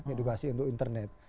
ke edukasi untuk internet